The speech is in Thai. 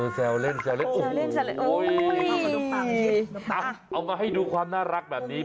แซวเล่นแซวเล่นโอ้ยเอามาให้ดูความน่ารักแบบนี้